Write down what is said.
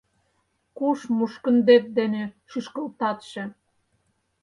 Куш мушкындет дене шӱшкылтатше?